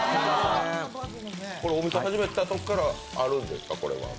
これ、お店を始めたときからあるんですか？